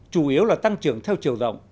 chủ yếu là tăng trưởng theo chiều rộng